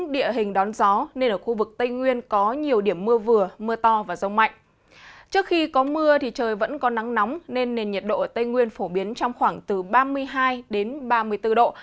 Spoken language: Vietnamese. trước khi có mưa thì trời vẫn có nắng nóng nên nền nhiệt độ ở tây nguyên phổ biến trong khoảng từ ba mươi hai đến ba mươi bốn độ